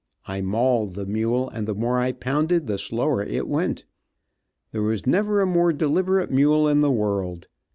I mauled the mule, and the more I pounded the slower it went. There was never a more deliberate mule in the world.